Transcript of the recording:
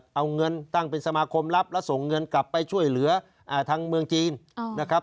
เอาเงินตั้งเป็นสมาคมรับแล้วส่งเงินกลับไปช่วยเหลือทางเมืองจีนนะครับ